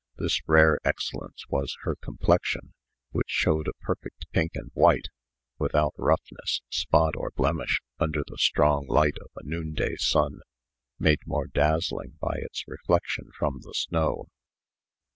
This rare excellence was her complexion, which showed a perfect pink and white, without roughness, spot, or blemish, under the strong light of a noonday sun, made more dazzling by its reflection from the snow.